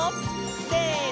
せの！